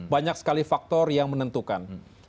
banyak sekali faktor yang menentukan